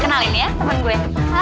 kenalin ya temen temen